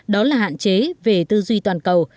đó là hạn chế về tư duy toàn cầu